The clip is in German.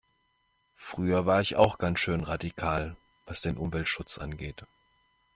Früher war ich auch ganz schön radikal, was den Umweltschutz angeht.